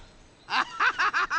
アハハハ！